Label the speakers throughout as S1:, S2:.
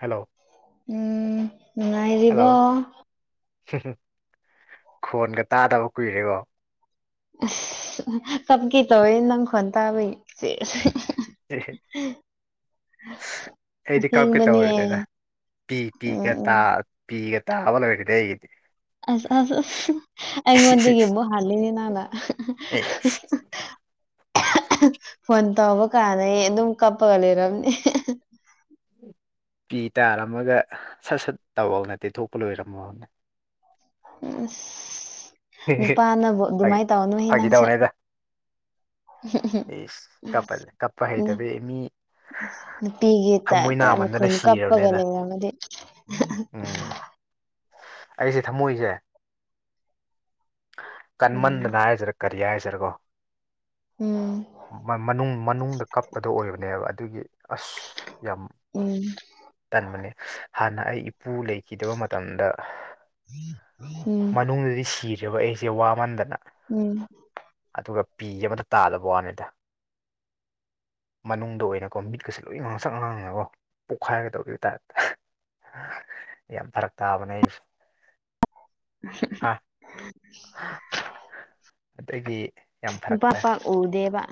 S1: Hello hello
S2: ꯎꯝꯉꯥꯏꯔꯤꯕꯔꯤꯕ
S1: ꯈꯣꯟꯒ ꯇꯥꯗꯕ ꯀꯨꯏꯔꯦꯀꯣ
S2: ꯁꯒꯤ ꯇ ꯑꯣꯏ ꯅꯪ ꯈꯣꯟꯟꯇꯕ
S1: ꯎ ꯑꯁ ꯑꯩꯗꯤ ꯀꯞꯀꯦ
S2: ꯑꯁꯦꯡꯕꯅꯦ
S1: ꯇꯧꯔꯒꯦꯗ ꯄꯤ
S2: ꯎꯝ
S1: ꯄꯤꯒ ꯇ
S2: ꯎꯝ
S1: ꯄꯤꯒ ꯇꯥꯕ ꯂꯩꯣꯏꯔꯈꯤꯗꯤ ꯑꯩꯒꯤꯗꯤ
S2: ꯑꯁ ꯑꯁ ꯑꯁ ꯑꯩꯉꯣꯟꯗꯒꯤꯒꯦꯕꯨ ꯍꯔꯂꯤꯅꯤ ꯅꯅ
S1: ꯑꯩ
S2: ꯐꯣꯟ ꯇꯧꯕ ꯀꯥꯟꯗꯩ ꯑꯗꯨꯝ ꯀꯞꯄꯒ ꯂꯩꯔꯝꯅꯦ
S1: ꯄꯤ ꯇꯥꯔꯝꯃꯒ ꯁꯠ ꯁꯠ ꯇꯧꯔ ꯅꯠꯇꯦ ꯊꯣꯛꯄ ꯂꯣꯏꯔꯝꯃꯣꯅꯦ
S2: ꯎ ꯅꯨꯄꯥꯅ
S1: ꯐꯥꯒꯤ
S2: ꯑꯗꯨꯃꯥꯏꯅ ꯇꯧꯅꯨ ꯍꯦ
S1: ꯐꯥꯒꯤ
S2: ꯅꯪꯁꯨ
S1: ꯏ ꯀꯄꯗ ꯀꯞꯄ ꯍꯩꯇꯕ ꯃꯤ
S2: ꯅꯨꯄꯤꯤꯒꯦ
S1: ꯊꯃꯣꯏ
S2: ꯇꯥꯏꯞꯇ
S1: ꯅꯥꯃꯟꯗꯅ
S2: ꯃꯈꯅ ꯀꯞꯄꯒ
S1: ꯁꯤꯔꯕꯅꯤꯅ
S2: ꯂꯩꯔ ꯑꯃꯗꯤꯗꯤ
S1: ꯎꯝ ꯑꯩꯁꯦ ꯊꯝꯃꯣꯏꯏꯁꯦ
S2: ꯎꯝ
S1: ꯀꯟꯃꯟꯗꯅ ꯍꯥꯏꯁꯤꯔ ꯀꯔꯤ ꯍꯥꯏꯁꯤꯔꯀꯣ
S2: ꯎꯝ
S1: ꯃꯅꯨꯡ ꯃꯅꯨꯡꯗ ꯀꯞꯄꯗꯣ ꯑꯣꯏꯕꯅꯦꯕ ꯑꯗꯨꯒꯤ ꯑꯁ ꯌꯥꯝ
S2: ꯎꯝ
S1: ꯇꯟꯕꯅꯦ ꯍꯥꯟꯅ ꯑꯩ ꯏꯄꯨ ꯂꯩꯈꯤꯗꯕ ꯃꯇꯝꯗ
S2: ꯎꯝ
S1: ꯅꯨꯡꯗꯤ ꯁꯤꯔꯦꯕ ꯑꯩꯁꯦ ꯋꯥꯃꯟꯗꯅ
S2: ꯎꯝ
S1: ꯑꯗꯨꯒ ꯄꯤ ꯑꯃꯗ ꯇꯥꯜꯂꯕ ꯋꯥꯅꯤꯗ ꯃꯅꯨꯡꯗ ꯑꯣꯏꯅꯀꯣ ꯃꯤꯠꯀꯁꯦ ꯂꯣꯏ ꯉꯥꯡꯁꯪ ꯉꯥꯡꯉꯦꯀꯣ ꯄꯣꯛꯈꯥꯏꯒꯗꯧꯕꯕ ꯇꯥꯔ ꯌꯥꯝ ꯐꯔꯛ ꯇꯥꯕꯅꯦ ꯑꯩꯁꯨ
S2: [unintelligible]
S1: ꯑꯇꯩꯗꯤ
S2: ꯅꯨꯄꯥ ꯄ ꯎꯗꯦꯕ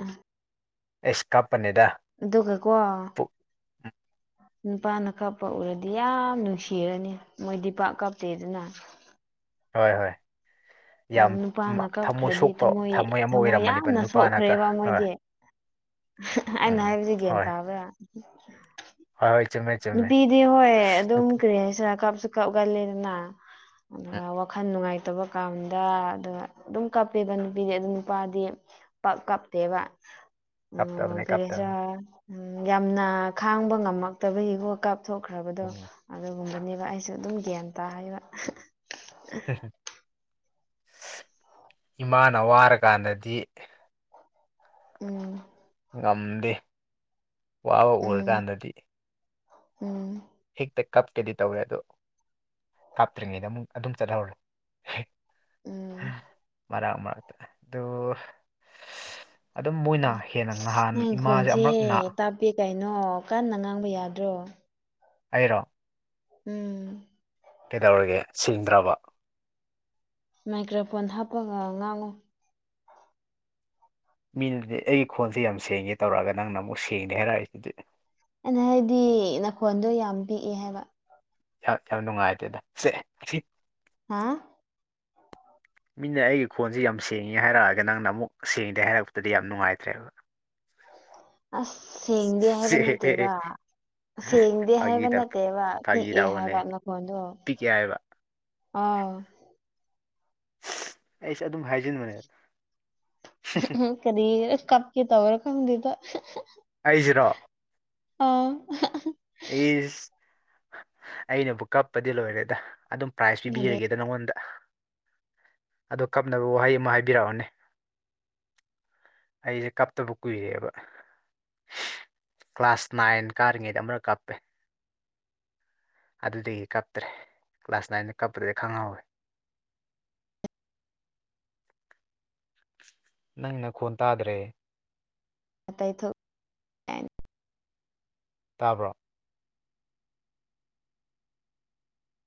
S1: ꯑꯩꯁ ꯀꯥꯞꯄꯅꯦꯗ
S2: ꯗꯨꯈ ꯀꯣ
S1: ꯄꯨꯛ
S2: ꯅꯨꯄꯥꯅ ꯀꯥꯞꯄ ꯎꯔꯗꯤ ꯌꯥꯝ ꯅꯨꯡꯁꯤꯔꯅꯤ ꯃꯣꯏ ꯗꯤ ꯄꯥꯛ ꯀꯥꯞꯇꯦꯗꯅ
S1: ꯍꯣꯏ ꯍꯣꯏ
S2: ꯑꯗꯨ
S1: ꯌꯥꯝ
S2: ꯅꯨꯄꯥꯅ
S1: ꯊꯝꯃꯣꯏ
S2: ꯀꯞꯈ꯭ꯔꯗꯤ
S1: ꯁꯣꯛꯄ
S2: ꯊꯃꯣꯏ
S1: ꯊꯝꯃꯣꯏ ꯑꯃ
S2: ꯊꯃꯣꯏ
S1: ꯑꯣꯏꯔꯝꯃꯅꯦꯕ
S2: ꯌꯥꯝꯅ
S1: ꯅꯨꯄꯥꯅꯀ
S2: ꯁꯣꯛꯈ꯭ꯔꯦꯕ
S1: ꯍꯣꯏ
S2: ꯃꯣꯏꯗꯤ ꯑꯩꯅ
S1: ꯎꯝ
S2: ꯍꯥꯏꯕꯁꯦ ꯒ꯭ꯌꯥꯟ ꯇꯥꯕ꯭ꯔꯥ
S1: ꯍ ꯍꯣꯏ ꯆ ꯃ
S2: ꯅꯨꯄꯤꯗꯤ ꯍꯣꯏ ꯑꯗꯨꯝ ꯀꯔꯤꯁꯤꯔ ꯀꯥꯞꯁꯨ ꯀꯞꯒꯜꯂꯤꯗꯅ ꯑꯗꯨꯒ ꯋꯥꯈꯜ ꯅꯨꯡꯉꯥꯏꯇꯕ ꯀꯥꯟꯗ ꯑ ꯑꯗꯨꯝ ꯀꯞꯄꯦꯕ ꯅꯨꯄꯤꯗꯤ ꯑꯗꯨ ꯅꯨꯄꯥꯗꯤ ꯀꯞꯇꯦꯕ ꯎꯝ
S1: ꯀꯞꯇꯕꯅꯦ
S2: ꯐꯔꯤ
S1: ꯀꯞꯇꯕꯅꯦ
S2: ꯎꯝ ꯌꯥꯝꯅ ꯈꯥꯡꯕ ꯉꯝꯃꯛꯇꯕꯒꯤꯒꯣ ꯀꯥꯞꯊꯣꯛꯈ꯭ꯔꯕꯗꯣ
S1: ꯎꯝ
S2: ꯑꯗꯨꯒꯨꯝꯕꯅꯦꯕ ꯑꯩꯁꯨ ꯑꯗꯨꯝ ꯒ꯭ꯌꯥꯟ ꯇꯥꯍꯩꯕ
S1: ꯏꯃꯥꯅ ꯋꯥꯔꯀꯥꯟꯗꯗꯤ
S2: ꯎꯝ
S1: ꯉꯝꯗꯦ ꯋꯥꯕ
S2: ꯎꯝ
S1: ꯎꯔꯀꯥꯟꯗꯗꯤ
S2: ꯎꯝ
S1: ꯍꯦꯛꯇ ꯀꯥꯞꯀꯦꯗꯤ ꯇꯧꯋꯦ ꯑꯗꯣ ꯀꯥꯞꯇ꯭ꯔꯤꯉꯩꯗ ꯑꯃꯨꯛ ꯑꯗꯨꯝ ꯆꯠꯍꯧꯔꯦ
S2: ꯎꯝ
S1: ꯃꯔꯥꯡ ꯃꯔꯛꯇ ꯑꯗꯨ ꯑꯗꯨꯝ ꯃꯣꯏꯅ ꯍꯦꯟꯅ ꯅꯍꯥꯟ ꯏꯃꯥꯁꯦ ꯑꯃꯨꯨꯔꯛ ꯅꯥ
S2: ꯍꯥꯞꯄꯦ ꯀꯩꯅꯣ ꯀꯟꯅ ꯉꯥꯡꯕ ꯌꯥꯗ꯭ꯔꯣ
S1: ꯍꯥꯏꯔꯣ
S2: ꯎꯝ
S1: ꯀꯩꯗꯧꯔꯒꯦ ꯁꯤꯡꯗ꯭ꯔꯕ
S2: ꯃꯥꯏꯀ꯭ꯔꯣꯐꯣꯟ ꯍꯥꯞꯄꯒ ꯉꯥꯡꯉꯨ
S1: ꯃꯤꯅꯗꯤ ꯑꯩꯒꯤ ꯈꯣꯟꯁꯦ ꯌꯥꯝ ꯁꯦꯡꯉꯦ ꯇꯧꯔꯛꯑꯒ ꯅꯪꯅ ꯑꯃꯨꯛ ꯁꯦꯡꯉꯦ ꯍꯥꯏꯔꯛꯏꯁꯤꯗꯤ
S2: ꯑꯩꯅ ꯍꯥꯏꯗꯤ ꯅꯈꯣꯟꯗꯣ ꯌꯥꯝ ꯄꯤꯛꯑꯦ ꯍꯥꯏꯕ
S1: ꯌꯥꯝ ꯌꯥꯝ ꯅꯨꯡꯉꯥꯏꯇꯦꯗ ꯁꯦ
S2: ꯍꯥꯥ
S1: ꯃꯤꯅ ꯑꯩꯒꯤ ꯈꯣꯟꯁꯤꯦ ꯌꯥꯝ ꯁꯦꯡꯉꯦ ꯍꯥꯏꯔꯛꯑꯒ ꯅꯪꯅ ꯑꯃꯨꯛ ꯁꯦꯡꯗꯦ ꯍꯥꯏꯔꯛꯄꯗꯗꯤ ꯌꯥꯝ ꯅꯨꯡꯉꯥꯏꯇ꯭ꯔꯦꯕ ꯁ
S2: ꯑꯁ ꯁꯦꯡꯗꯤ ꯍꯥꯏꯕ ꯅ ꯇꯕ ꯁꯦꯡꯗꯦ
S1: ꯐꯥꯒꯤ
S2: ꯍꯥꯏꯕ
S1: ꯇꯧ
S2: ꯅꯠꯇꯦꯕ
S1: ꯐꯥꯒꯤ
S2: ꯄꯤꯛꯑꯦ
S1: ꯇꯧꯕꯅꯦ
S2: ꯍꯥꯏꯕ ꯅꯈꯣꯟꯗꯣ
S1: ꯄꯤꯛꯑꯦ ꯍꯥꯏꯕ
S2: ꯑꯥ
S1: ꯑꯩꯁꯦ ꯑꯗꯨꯝ ꯍꯥꯏꯖꯤꯟꯕꯅꯦ
S2: ꯀꯗꯤ ꯀꯥꯞꯀꯤ ꯇ ꯑꯣꯏꯔ ꯈꯝꯗꯤꯗ
S1: ꯑꯩꯁꯤꯔꯣ
S2: ꯑ
S1: ꯏꯁ ꯑꯩꯅꯕꯨ ꯀꯞꯄꯗꯤ ꯂꯣꯏꯔꯦꯗ ꯑꯗꯨꯝ ꯄ꯭ꯔꯥꯏꯖ
S2: ꯑꯗꯨ
S1: ꯄꯤꯕꯤꯔꯒꯦ ꯑꯗꯨꯅꯣꯗ ꯑ ꯀꯞꯅꯕ ꯋꯥꯍꯩ ꯑꯃ ꯍꯥꯏꯕꯤꯔꯛꯑꯣꯅꯦ ꯑꯩꯁꯦ ꯀꯥꯞꯇꯕ ꯀꯨꯏꯔꯦꯕ ꯀ꯭ꯂꯥꯁ ꯅꯥꯏꯟ ꯀꯥꯔꯤꯉꯩꯗ ꯑꯃꯛ ꯀꯥꯞꯄꯦ ꯑꯗꯨꯗꯒꯤ ꯀꯞꯇ꯭ꯔꯦ ꯀ꯭ꯂꯥꯁ ꯅꯥꯏꯟꯗ ꯀꯞꯄꯗꯒꯤ ꯈꯪꯍꯧꯋꯦ ꯅꯪꯅ ꯈꯨꯣꯟꯟ ꯇꯥꯗ꯭ꯔꯦ
S2: ꯑ ꯇꯥꯏ ꯊ
S1: ꯇꯥꯕ꯭ꯔꯣ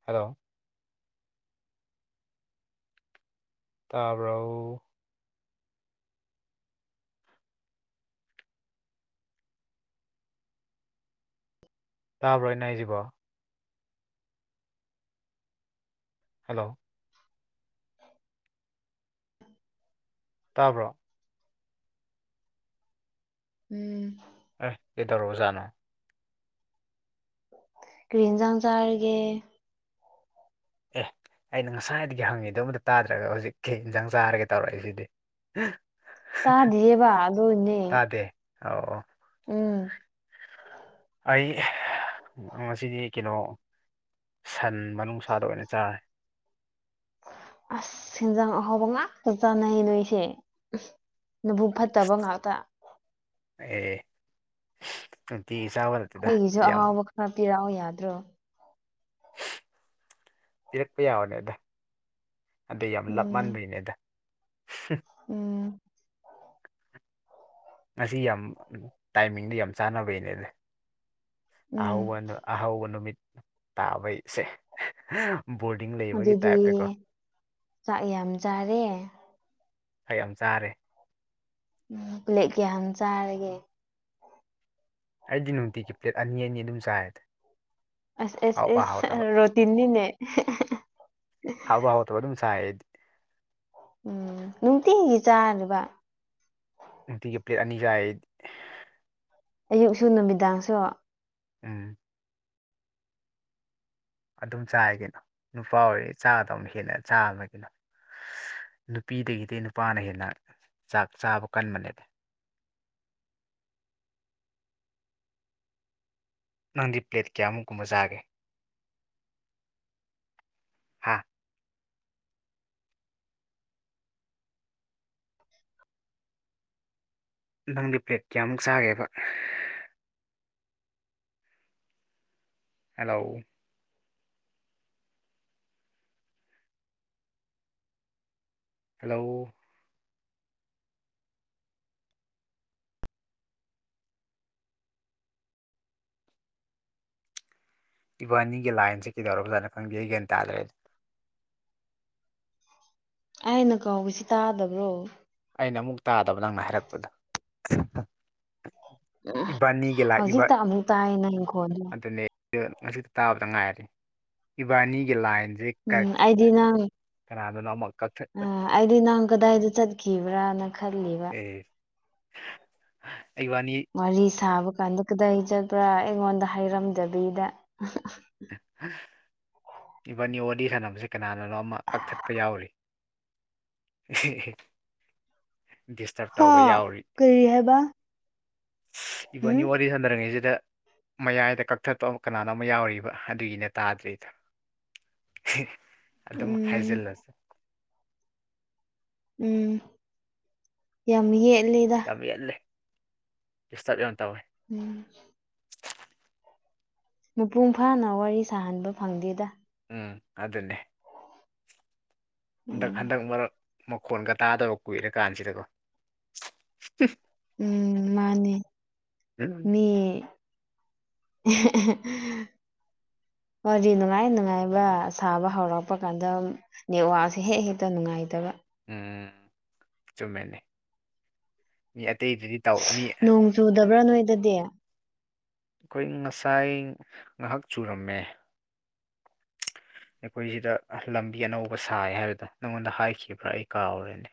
S1: ꯍꯜꯂꯣ ꯇꯥꯕ꯭ꯔꯣ ꯇꯥꯕ꯭ꯔꯣ ꯍꯥꯏꯁꯤꯕꯣ ꯍꯜꯂꯣ ꯇꯥꯕ꯭ꯔꯣ
S2: ꯎꯝ
S1: ꯑ ꯀꯗꯧꯔꯣꯖꯥꯅꯣ
S2: ꯀ꯭ꯔꯤꯟꯖ ꯆꯔꯒꯦ
S1: ꯑꯦ ꯑꯩꯅ ꯉꯁꯥꯏꯗꯒꯤ ꯍꯪꯉꯤꯗꯨꯣ ꯑꯝꯗ ꯇꯥꯗ꯭ꯔꯒ ꯍꯧꯖꯤꯛꯀꯤ ꯏꯟꯖꯥꯡ ꯆꯥꯔꯒꯦ ꯇꯧꯔꯛꯏꯁꯤꯗꯤ
S2: ꯇꯥꯗꯤꯌꯦꯕ ꯑꯗꯨꯏꯅꯦ
S1: ꯇꯥ ꯗꯦ ꯑꯥꯎ ꯑ
S2: ꯎꯝ
S1: ꯑꯩ ꯉꯁꯤꯗꯤ ꯀꯩꯅꯣ ꯁꯟ ꯃꯅꯨꯡꯁꯥꯗ ꯑꯣꯏꯅ ꯆꯥꯔꯦ
S2: ꯑꯁ ꯁꯦꯟꯖꯥꯡ ꯑꯍꯥꯎꯕ ꯉꯥꯛꯇ ꯆꯥꯅꯩ ꯅꯣꯏꯁꯦ ꯅꯕꯨꯛ ꯐꯠꯇꯕ ꯉꯥꯛꯇ
S1: ꯑꯦ ꯇꯤ ꯆꯕ
S2: ꯑꯩꯈꯣꯏꯒꯤꯁꯨ ꯑꯍꯥꯎꯕ ꯈꯔ ꯄꯤꯔꯛꯑꯣ ꯌꯥꯗ꯭ꯔꯣ
S1: ꯄꯤꯔꯛꯄ ꯌꯥꯕꯅꯦ ꯑꯗ ꯑꯗ ꯌꯥꯝ ꯂꯞ
S2: ꯎꯝ
S1: ꯃꯥꯟꯕꯩꯅꯦ ꯑꯗ
S2: ꯎꯝ
S1: ꯉꯁꯤ ꯌꯥꯝ ꯇꯥꯏꯃꯤꯡꯗ ꯌꯥꯝ ꯆꯥꯟꯅꯕꯩꯅꯦꯗ
S2: ꯎꯝ
S1: ꯑꯍꯧꯕꯗ ꯑꯍꯧꯕ ꯅꯨꯃꯤꯠ ꯇꯥꯕꯩꯁꯦ ꯕꯣꯔꯗꯤꯡ ꯂꯩ
S2: ꯑꯗꯨꯗꯤ ꯆꯥꯛ ꯌꯥꯝ ꯆꯥꯔꯦ
S1: ꯈ ꯌꯥꯝ ꯆꯥꯔꯦ
S2: ꯎꯝ ꯄꯨꯂꯦꯀꯦ ꯍꯅ ꯆꯥꯔꯒꯦ
S1: ꯑꯩꯗꯤ ꯅꯨꯡꯇꯤꯒꯤꯞ꯭ꯂꯦꯠ ꯑꯅꯤ ꯑꯅꯤ ꯑꯗꯨꯝ ꯆꯥꯏꯌꯦꯗꯦ
S2: ꯑꯁ ꯑꯦꯁ ꯑꯦꯁ ꯔꯣꯇꯤꯟꯅꯤꯅꯦ
S1: ꯍꯥꯎꯕ ꯍꯥꯎ ꯊꯕ ꯑꯗꯨꯝ ꯁꯥꯏꯌꯦꯗꯤ
S2: ꯎꯝ ꯅꯨꯡꯇꯤꯒꯤ ꯆꯥꯔꯤꯕ
S1: ꯅꯨꯡꯇꯤꯒꯤ ꯄ꯭ꯂꯦꯠ ꯑꯅꯤꯒꯥꯏ
S2: ꯑꯌꯨꯛꯁꯨ ꯅꯨꯃꯤꯗꯥꯡꯁꯨ
S1: ꯎꯝ ꯑꯗꯨꯝ ꯆꯥꯏꯒꯤꯅꯣ ꯅꯨꯄꯥ ꯑꯣꯏꯔꯤ ꯆꯥꯗꯕ ꯍꯦꯟꯅ ꯆꯥ ꯑꯃꯒꯤꯅ ꯅꯨꯄꯤꯗꯒꯤꯗꯤ ꯅꯨꯄꯥꯅ ꯍꯦꯟꯅ ꯆꯥꯛ ꯆꯥꯕ ꯀꯟꯕꯅꯦ ꯅꯪꯗꯤ ꯄ꯭ꯂꯦꯠ ꯀꯌꯥꯃꯨꯛ ꯀꯨꯝꯕ ꯆꯥꯒꯦ ꯍꯥ ꯅꯪꯗꯤ ꯄ꯭ꯂꯦꯠ ꯀꯌꯥꯃꯨꯛ ꯆꯥꯒꯦꯕ ꯍꯜꯂꯣ ꯍꯜꯂꯣ ꯏꯕꯥꯅꯤꯒꯤ ꯂꯥꯏꯟꯁꯦ ꯀꯩꯗꯧꯔꯕꯖꯥ ꯈꯪꯗꯦ ꯑꯩ ꯒꯌꯥꯟ ꯇꯥꯗ꯭ꯔꯦꯅꯦ
S2: ꯑꯩꯅ ꯀꯥꯎꯁꯤ ꯇꯥꯗꯕ꯭ꯔꯣ
S1: ꯑꯩꯅ ꯑꯃꯨꯛ ꯇꯥꯗꯕ ꯅꯪꯅ ꯍꯥꯏꯔꯛꯄꯗꯣ ꯏꯕꯥꯅꯤꯒꯤ ꯂꯥꯛꯏꯕ
S2: ꯍꯧꯖꯤꯛꯇ ꯑꯃꯨꯛ ꯇꯥꯏ ꯅꯪ ꯏꯪꯈꯣꯜꯗꯣ
S1: ꯑꯗꯨꯅꯦ ꯉꯁꯤꯗ ꯇꯥꯕꯗ ꯉꯥꯏꯔꯦ ꯏꯕꯥꯅꯤꯒꯤ ꯂꯥꯏꯟꯁꯦ
S2: ꯎꯝ ꯑꯩꯗꯤ ꯅꯪ
S1: ꯀꯅꯥꯗꯅꯣ ꯑꯃ ꯀꯛ
S2: ꯑꯩꯗꯤ ꯅꯪ ꯀꯗꯥꯏꯗ ꯆꯠꯈꯤꯕ꯭ꯔꯥꯅ ꯈꯜꯂꯤꯕ
S1: ꯑꯦ ꯑꯩ ꯋꯥꯅꯤ
S2: ꯋꯥꯔꯤ ꯁꯥꯕ ꯀꯥꯟꯗ ꯀꯗꯥꯏ ꯆꯠꯄ꯭ꯔꯥ ꯑꯩꯉꯣꯟꯗ ꯍꯥꯏꯔꯝꯗꯕꯤꯗ
S1: ꯏꯚꯟꯅꯤ ꯋꯥꯔꯤꯗꯤ ꯁꯥꯟꯅꯕꯁꯦ ꯀꯅꯥꯅꯣ ꯑꯃ ꯀꯛꯊꯠꯄ ꯌꯥꯎꯔꯤ ꯍꯤ ꯍꯤ
S2: ꯍꯥꯥ ꯀꯔꯤ ꯍꯥꯏꯕ
S1: ꯏꯚꯅꯤ
S2: ꯎꯝ
S1: ꯋꯥꯔꯤ ꯁꯟꯗꯔꯤꯉꯩꯁꯤꯗ ꯃꯌꯥꯏꯗ ꯀꯛꯊꯠꯄ ꯑꯃ ꯀꯅꯥꯅꯣ ꯑꯃ ꯌꯥꯎꯔꯤꯕ ꯑꯗꯨꯒꯤꯅ ꯇꯥꯗ꯭ꯔꯤꯗ ꯑꯗꯨꯝ
S2: ꯎꯝ
S1: ꯍꯥꯏꯖꯤꯜꯂꯁꯦ
S2: ꯎꯝ ꯌꯥꯝ ꯌꯦꯠꯂꯗ
S1: ꯌꯥꯝ ꯌꯦꯠꯂꯦ ꯗꯤꯁꯇꯔꯕ ꯌꯥꯝ ꯇꯧꯋꯦ
S2: ꯎꯝ ꯃꯄꯨꯡ ꯐꯥꯅ ꯋꯥꯔꯤ ꯁꯥꯍꯟꯕ ꯐꯪꯗꯦꯗ
S1: ꯎꯝ ꯑꯗꯨꯗꯅꯦ ꯍꯟꯗꯛ
S2: ꯎꯝ
S1: ꯍꯟꯗꯛ ꯃꯔꯛ ꯃꯈꯣꯟꯒ ꯇꯥꯗꯕ ꯀꯨꯏꯔꯀꯥꯟꯁꯤꯗꯀꯣ
S2: ꯎꯝ ꯃꯥꯅꯦ
S1: ꯎꯝ
S2: ꯃꯤ ꯑꯍ ꯑꯍ ꯍꯣꯏꯗꯤ ꯅꯨꯡꯉꯥꯏ ꯅꯨꯡꯉꯥꯏꯕ ꯁꯥꯕ ꯍꯧꯔꯛꯄ ꯀꯥꯟꯗ ꯅꯦꯠꯋꯥꯛꯁꯦ ꯍꯦꯛ ꯍꯦꯛꯇ ꯅꯨꯡꯉꯥꯏꯇꯕ
S1: ꯎꯝ ꯆꯨꯝꯃꯦꯅꯤ ꯃꯤ ꯑꯇꯩꯗꯨꯗꯤ ꯇꯧ ꯃꯤ
S2: ꯅꯣꯡ ꯆꯨꯗꯕ꯭ꯔꯥ ꯅꯣꯏꯗꯗꯤ
S1: ꯑꯩꯈꯣꯏ ꯉꯁꯥꯏ ꯉꯥꯏꯍꯥꯛ ꯆꯨꯔꯝꯃꯦ ꯑꯩꯈꯣꯏ ꯁꯤꯗ ꯂꯝꯕꯤ ꯑꯅꯧꯕ ꯁꯥꯏ ꯍꯥꯏꯕꯗ ꯅꯪꯉꯣꯟꯗ ꯍꯥꯏꯈꯤꯕ꯭ꯔꯥ ꯑꯩ ꯀꯥꯎꯔꯦꯅꯦ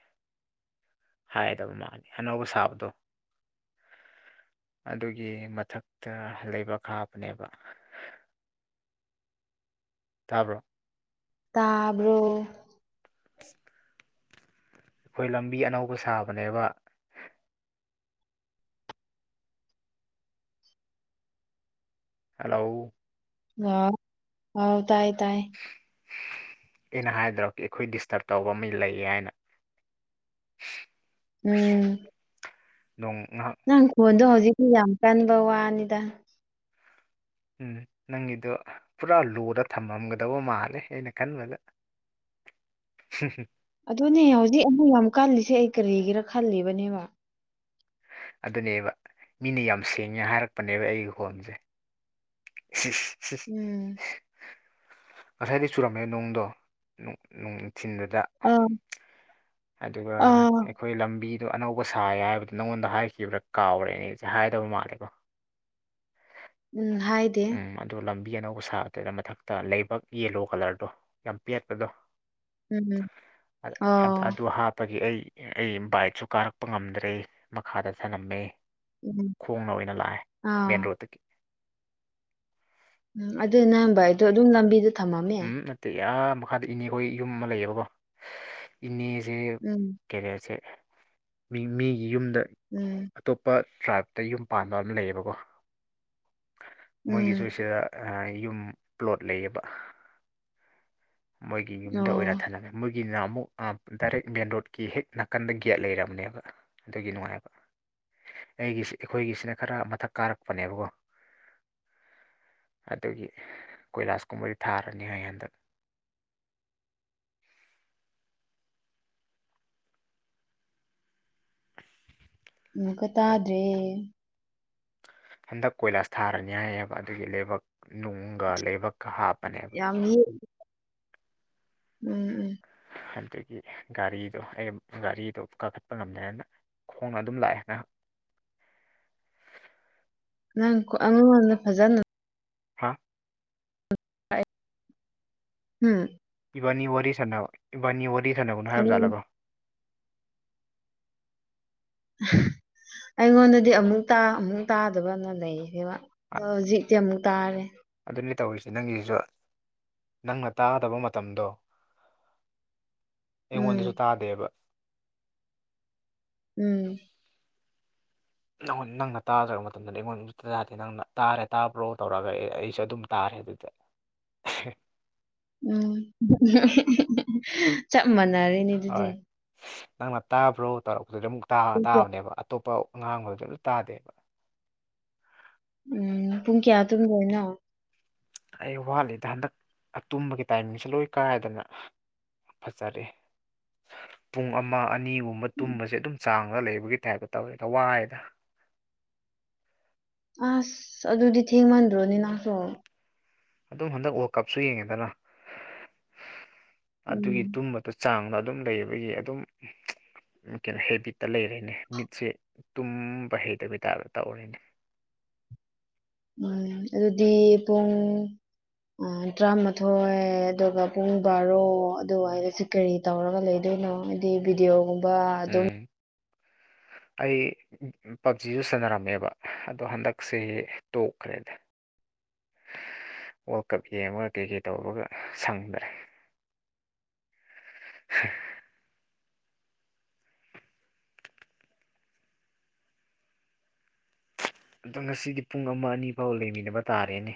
S1: ꯍꯥꯏꯗꯕ ꯃꯥꯜꯂꯤ ꯑꯅꯧꯕ ꯁꯥꯕꯗꯣ ꯑꯗꯨꯒꯤ ꯃꯊꯛꯇ ꯂꯩꯕ ꯈꯥꯕꯅꯦꯕ ꯇꯥꯕ꯭ꯔꯣ
S2: ꯇꯥꯕ꯭ꯔꯣ
S1: ꯑ ꯑꯩꯈꯣꯏ ꯂꯝꯕꯤ ꯑꯅꯧꯕ ꯁꯥꯕꯅꯦꯕ ꯍꯜꯂꯣ
S2: ꯑ ꯍꯥꯎ ꯇꯥꯏ ꯇꯥꯏ
S1: ꯑꯩꯅ ꯍꯥꯏꯗ꯭ꯔꯣ ꯑꯩꯈꯣꯏ ꯗꯤꯁꯇꯔꯕ ꯇꯧꯕ ꯑꯃ ꯂꯩꯌꯦ ꯍꯥꯏꯅ [inaudible]
S2: ꯎꯝ
S1: ꯅꯣꯡ ꯉꯍꯥꯛ
S2: ꯅꯪ ꯈꯣꯟꯗꯣ ꯍꯧꯖꯤꯛꯇꯤ ꯌꯥꯝ ꯀꯟꯕ ꯋꯥꯅꯤꯗ
S1: ꯎꯝ ꯅꯪꯒꯤꯗꯣ ꯄꯨꯔꯥ ꯂꯨꯔ ꯊꯝꯃꯝꯒꯗꯕ ꯃꯥꯜꯂꯦ ꯑꯩꯅ ꯈꯟꯕꯗ ꯍ ꯍ
S2: ꯑꯗꯨꯅꯦ ꯍꯧꯖꯤꯛ ꯑꯃ ꯌꯥꯝ ꯀꯜꯂꯤꯁꯦ ꯑꯩ ꯀꯔꯤꯒꯤꯔꯥ ꯈꯜꯂꯤꯕꯅꯦꯕ
S1: ꯑꯗꯨꯅꯦꯕ ꯃꯤꯅ ꯌꯥꯝ ꯁꯦꯡꯉꯦ ꯍꯥꯏꯔꯛꯄꯅꯦꯕ ꯑꯩꯒꯤ ꯈꯣꯟꯁꯦ [unintelligible]
S2: ꯎꯝ
S1: ꯉꯁꯥꯏꯗꯤ ꯆꯨꯔꯝꯃꯦ ꯅꯨꯡꯗꯣ ꯅꯨꯡꯊꯤꯟꯗꯨꯗ
S2: ꯑꯥ
S1: ꯍꯥꯏꯗꯨꯒ
S2: ꯑꯥ
S1: ꯑꯩꯈꯣꯏ ꯂꯝꯕꯤꯗꯣ ꯑꯅꯧꯕ ꯁꯥꯏ ꯍꯥꯏꯕꯗ ꯅꯪꯉꯣꯟꯗ ꯍꯥꯏꯈꯤꯕ꯭ꯔꯥ ꯀꯥꯎꯔꯦꯅꯦ ꯑꯩꯁꯦ ꯍꯥꯏꯗꯕ ꯃꯥꯜꯂꯦꯀꯣ
S2: ꯎꯝ ꯍꯥꯏꯗꯦ
S1: ꯑꯗꯣ ꯂꯝꯕꯤ ꯑꯅꯧꯕ ꯁꯥꯕꯗꯨꯗ ꯃꯊꯛꯇ ꯂꯩꯕꯛ ꯌꯦꯂꯣ ꯀꯂꯔꯗꯣ ꯌꯥꯝ ꯄꯦꯠꯄꯗꯣ
S2: ꯎꯝ ꯑꯣ
S1: ꯑꯗꯨ ꯍꯥꯞꯄꯒꯤ ꯑꯩ ꯑꯩ ꯕꯥꯏꯛꯁꯨ ꯀꯥꯔꯛꯄ ꯉꯝꯗ꯭ꯔꯦ ꯃꯈꯥꯗ ꯁꯂꯝꯝꯃꯦ
S2: ꯎꯝ
S1: ꯈꯣꯡꯅ ꯑꯣꯏꯅ ꯂꯥꯛꯑꯦ ꯃꯦꯟ
S2: ꯑꯥ
S1: ꯔꯣꯠꯇꯒꯤ
S2: ꯎꯝ ꯑꯗꯨ ꯅꯝꯕ ꯑꯗꯣ ꯑꯗꯨꯝ ꯂꯝꯕꯤꯗ ꯊꯝꯃꯝꯃꯦ
S1: ꯎꯝ ꯅꯠꯇꯦ ꯌꯥꯝ ꯃꯈꯥꯗ ꯏꯅꯦ ꯑꯩꯈꯣꯏ ꯌꯨꯝ ꯑꯃ ꯂꯩꯌꯦꯕꯀꯣ ꯏꯅꯦꯁꯦ
S2: ꯎꯝ
S1: ꯀꯦꯔꯤꯌꯔꯁꯦ ꯃꯤ ꯃꯤꯒꯤ ꯌꯨꯝꯗ
S2: ꯎꯝ
S1: ꯑꯇꯣꯞꯄ ꯇ꯭ꯔꯥꯏꯞꯇ ꯌꯨꯝ ꯄꯥꯟꯕ ꯑꯃ ꯂꯩꯌꯦꯕꯀꯣ ꯃꯣꯏꯒꯤ ꯁ
S2: ꯎꯝ
S1: ꯁꯤꯗ ꯌꯨꯝ ꯄ꯭ꯂꯣꯠ ꯂꯩꯌꯦꯕ ꯃꯣꯏꯒꯤ ꯌꯨꯝꯗ ꯑꯣꯏꯅ
S2: ꯑꯣ
S1: ꯊꯥꯟꯂꯝꯃꯦ ꯃꯣꯏꯒꯤꯅ ꯑꯃꯨꯛ ꯗꯥꯏꯔꯦꯛ ꯃꯦꯟ ꯔꯣꯗ ꯀꯤ ꯍꯦꯛ ꯅꯥꯀꯟꯗ ꯒꯦꯠ ꯂꯩꯔꯕꯅꯦꯕ ꯑꯗꯨꯒꯤ ꯅꯨꯡꯉꯥꯏꯕ ꯑꯩꯒꯤꯁꯤ ꯑꯩꯈꯣꯏꯒꯤꯁꯤꯅ ꯈꯔ ꯃꯊꯛ ꯀꯥꯔꯛꯄꯅꯦꯕꯀꯣ ꯫ ꯑꯗꯨꯒꯤ ꯀꯣꯏꯂꯥꯁꯀꯨꯝꯕꯗꯤ ꯊꯥꯔꯅꯤ ꯍ ꯍꯟꯗꯛ
S2: ꯑꯃꯨꯛꯀ ꯇꯥꯗ꯭ꯔꯦ꯫
S1: ꯍꯟꯗꯛ ꯀꯣꯏꯂꯥꯁ ꯊꯥꯔꯅꯤ ꯍꯥꯏꯑꯕ ꯑꯗꯨꯒꯤ ꯂꯩꯕꯛ ꯅꯨꯡꯒ ꯂꯩꯕꯛꯀ ꯍꯥꯞꯄꯅꯦꯕ꯫
S2: ꯌꯥꯝ ꯌꯦ꯫ ꯎꯝ ꯎꯝ
S1: ꯑꯗꯨꯗꯒꯤ ꯒꯥꯔꯤꯗꯣ ꯑꯩ ꯒꯥꯔꯤꯗꯣ ꯀꯥꯈꯠꯄ ꯉꯝꯃꯦꯅ꯫ ꯈꯣꯡꯅ ꯑꯗꯨꯝ ꯂꯥꯛꯑꯦ ꯉꯍꯥꯛ
S2: ꯅꯪ ꯑꯩꯉꯣꯟꯗ ꯐꯖꯅ
S1: ꯍꯥ
S2: ꯎꯝ
S1: ꯏꯕꯥꯅꯤ ꯋꯥꯔꯤ ꯁꯥꯟꯅꯕ ꯏꯕꯥꯅꯤ ꯋꯥꯔꯤ ꯁꯥꯟꯅꯕꯅꯣ ꯍꯥꯏꯕ ꯖꯥꯠꯂꯕ
S2: ꯑꯩꯉꯣꯟꯗꯗꯤ ꯑꯃꯨꯛ ꯑꯃꯨꯛ ꯇꯥꯗꯕꯅ ꯂꯩꯁꯕ ꯑꯗꯣ ꯍꯧꯖꯤꯛ ꯑꯃꯨꯛ ꯇꯥꯔꯦ꯫
S1: ꯑꯗꯨꯅꯤ ꯇꯧꯔꯤꯁꯤꯦ ꯅꯪꯒꯤꯁꯨ ꯅꯪꯅ ꯇꯥꯗꯕ ꯃꯇꯝꯗꯣ ꯑꯩꯉꯣꯟꯗꯁꯨ
S2: ꯎꯝ
S1: ꯇꯥꯗꯦꯕ꯫
S2: ꯎꯝ
S1: ꯅ ꯅꯪꯅ ꯇꯥꯖꯔꯕ ꯃꯇꯝꯗ ꯑꯩꯉꯣꯟ ꯑꯗꯨ ꯌꯥꯗꯦ ꯅꯪꯅ ꯇꯥꯔꯦ ꯇꯥꯕ꯭ꯔꯣ ꯇꯧꯔꯛꯒ ꯑꯦ ꯑꯩꯁꯨ ꯑꯗꯨꯝ ꯇꯥꯔꯦ ꯑꯗꯨꯗ
S2: ꯎꯝ ꯆꯞ ꯃꯥꯟꯅꯔꯦꯅꯦ꯫
S1: ꯍꯣꯏ
S2: ꯑꯗꯨꯗꯤ
S1: ꯅꯪꯅ ꯇꯥꯕ꯭ꯔꯣ ꯇꯧꯔꯛꯄꯗꯨꯗꯤ ꯑꯃꯨꯛ
S2: ꯄꯨꯡ ꯀꯌꯥ
S1: ꯇꯥꯕꯅꯦꯕ ꯑꯇꯣꯞꯄ ꯉꯥꯡꯕꯗꯨꯗ ꯑꯗꯨ ꯇꯥꯗꯦꯕ꯫
S2: ꯎꯝ ꯄꯨꯡ ꯀꯌꯥ ꯇꯝꯗꯣꯏꯅꯣ꯫
S1: ꯑꯩ ꯋꯥꯠꯂꯤꯗ ꯍꯟꯗꯛ ꯇꯨꯝꯕꯒꯤ ꯇꯥꯏꯃꯤꯡꯁꯦ ꯂꯣꯏ ꯀꯥꯏꯗꯅ ꯐꯖꯔꯦ꯫ ꯄꯨꯡ ꯑꯃ ꯑꯅꯤꯒꯨꯝꯕ ꯇꯨꯝꯕꯁꯦ ꯑꯗꯨꯝ ꯆꯥꯡꯗ ꯂꯩꯕꯒꯤ ꯇꯥꯏꯞꯇ ꯇꯧꯋꯦꯗꯋꯥꯏꯗ
S2: ꯑꯁ ꯑꯗꯨꯗꯤ ꯊꯦꯡꯃꯟꯗ꯭ꯔꯣꯅꯤꯅꯪꯁꯨ꯫
S1: ꯑꯗꯨꯝ ꯍꯟꯗꯛ ꯋꯥꯔꯜ ꯀꯞꯁꯨ ꯌꯦꯡꯉꯦꯗꯅ
S2: ꯎꯝ
S1: ꯑꯗꯨꯒꯤ ꯇꯨꯝꯕ ꯑꯗꯨ ꯆꯥꯡꯗ ꯑꯗꯨꯝ ꯂꯩꯕꯒꯤ ꯑꯗꯨꯝ ꯀꯩꯅꯣ ꯍꯦꯕꯤꯠꯇ ꯂꯩꯔꯦꯅꯦ ꯃꯤꯠꯁꯦ ꯇꯨꯝꯕ ꯍꯩꯇꯕꯤ ꯇꯥꯔ ꯇꯧꯎꯔꯅꯦ꯫
S2: ꯎꯝ ꯑꯗꯨꯗꯤ ꯄꯨꯡ ꯇꯔꯥꯃꯥꯊꯣꯏ ꯑꯗꯨꯒ ꯄꯨꯡ ꯕꯥꯔꯣ ꯑꯗꯨꯋꯥꯏꯗ ꯀꯔꯤ ꯇꯧꯔꯒ ꯂꯩꯗꯣꯏꯅꯣ ꯍꯥꯏꯗꯤ ꯚꯗꯤꯑꯣꯒꯨꯝꯕ
S1: ꯎꯝ ꯑꯩ ꯄꯞꯖꯤꯁꯨ ꯁꯥꯟꯅꯔꯝꯃꯦꯕ ꯑꯗꯣ ꯍꯟꯗꯛꯁꯦ ꯇꯣꯛꯈ꯭ꯔꯦꯗ꯫ ꯋꯥꯔꯜ ꯀꯞ ꯌꯦꯡꯉꯒ ꯀꯩ ꯀꯩ ꯇꯧꯔꯒ ꯁꯪꯗ꯭ꯔꯦ꯫ [unintelligible] ꯑꯗꯣ ꯉꯁꯤꯗꯤ ꯄꯨꯡ ꯑꯃ ꯑꯅꯤ ꯐꯥꯎ ꯂꯩꯃꯤꯟꯅꯕ ꯇꯥꯔꯦꯅꯦ꯫